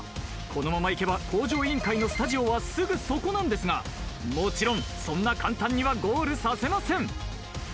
このまま行けば『向上委員会』のスタジオはすぐそこなんですがもちろんそんな簡単にはゴールさせません。